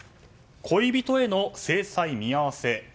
恋人への制裁見合わせ。